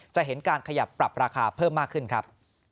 จะเห็นการขยับปรับราคาเพิ่มมากขึ้นครับ